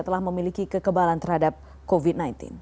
telah memiliki kekebalan terhadap covid sembilan belas